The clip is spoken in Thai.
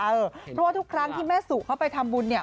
เพราะว่าทุกครั้งที่แม่สุโพสต์เข้าไปทำบุญ